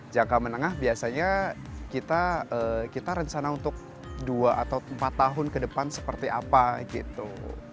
jangka menengah biasanya kita rencana untuk dua atau empat tahun ke depan seperti apa gitu